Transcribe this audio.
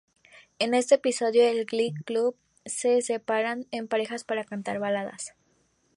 En este episodio el Glee Club se separa en parejas para cantar baladas.